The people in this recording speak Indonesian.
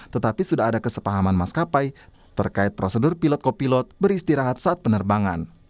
tetapi sudah ada kesepahaman maskapai terkait prosedur pilot kopilot beristirahat saat penerbangan